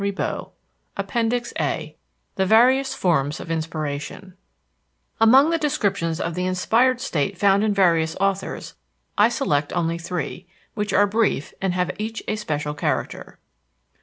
APPENDICES APPENDIX A THE VARIOUS FORMS OF INSPIRATION Among the descriptions of the inspired state found in various authors, I select only three, which are brief and have each a special character.